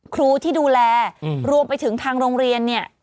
ครูที่ดูแลรวมไปถึงทางโรงเรียนเนี่ย